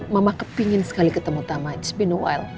mama kepengen sekali ketemu tamah it's been a while